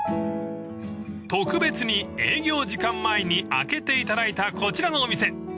［特別に営業時間前に開けていただいたこちらのお店］